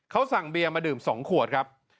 เขาสั่งเบียร์มาดื่ม๒ขวดครับ